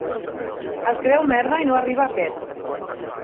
Es creu merda i no arriba a pet.